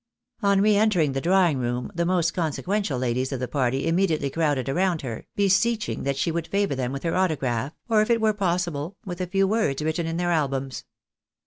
On re entering the drawing room, the most consequential ladies of the party immediately crowded around her, beseeching that she would favour them with her autograph, or, if it were possible, with a few words written in their albums.